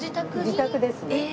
自宅ですね。